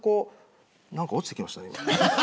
何か落ちてきましたね、今。